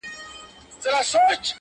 شیطانانو په تیارو کي شپې کرلي؛